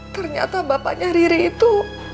ternyata bapaknya riri itu